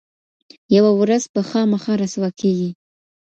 یوه ورځ به خامخا رسوا کیږي.